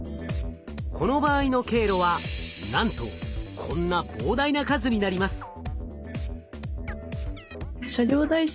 この場合の経路はなんとこんな膨大な数になります。